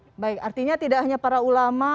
sebenarnya tidak hanya para ulama